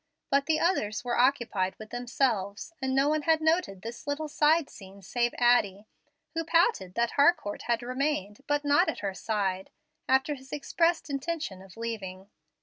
But the others were occupied with themselves, and no one had noted this little side scene save Addie, who pouted that Harcourt had remained, but not at her side, after his expressed intention of leaving.